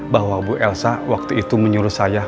bahwa bu elsa waktu itu menyuruh saya